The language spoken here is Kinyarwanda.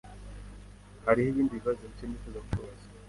Hariho ibindi bibazo bike nifuza kukubaza.